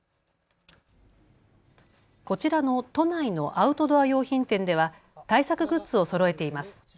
こちらの都内のアウトドア用品店では対策グッズをそろえています。